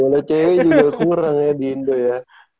bola cewek juga kurang ya di indo ya